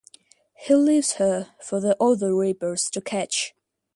He leaves her for the other reapers to catch.